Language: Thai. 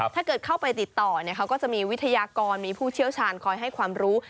ถ้าเกิดเข้าไปติดต่อเขาก็จะมีวิทยากรมีผู้เชี่ยวชาญคอยให้ความรู้